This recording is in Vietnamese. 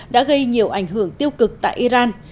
đã gây nhiều ảnh hưởng tiêu cực tại iran